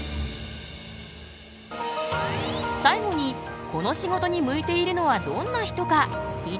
最後にこの仕事に向いているのはどんな人か聞いてみた。